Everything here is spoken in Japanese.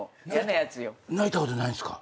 泣いたことないんすか？